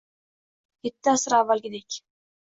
Yetti asr avvalgidek